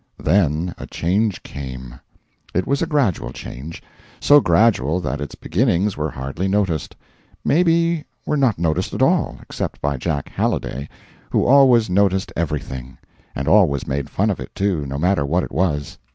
Then a change came. It was a gradual change; so gradual that its beginnings were hardly noticed; maybe were not noticed at all, except by Jack Halliday, who always noticed everything; and always made fun of it, too, no matter what it was.